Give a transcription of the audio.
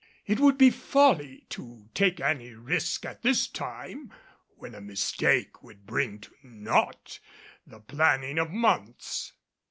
It would be folly to take any risk at this time, when a mistake would bring to naught the planning of months.